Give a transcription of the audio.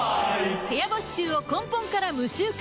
部屋干し臭を根本から無臭化